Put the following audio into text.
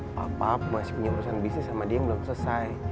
papa up masih punya urusan bisnis sama dia yang belum selesai